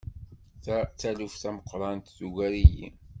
Ta d taluft tameqqrant! Tugar-iyi.